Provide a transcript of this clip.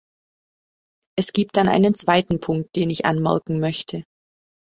Es gibt dann einen zweiten Punkt, den ich anmerken möchte.